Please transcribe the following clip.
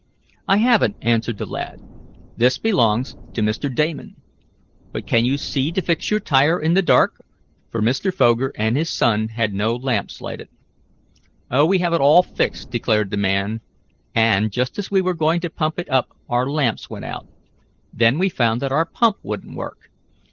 "I haven't," answered the lad. "This belongs to Mr. Damon. But can you see to fix your tire in the dark?" for Mr. Foger and his son had no lamps lighted. "Oh, we have it all fixed," declared the man, "and, just as we were going to pump it up out lamps went out. Then we found that our pump wouldn't work.